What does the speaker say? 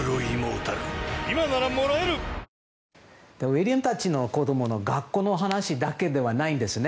ウィリアムたちの子供の学校の話だけではないんです。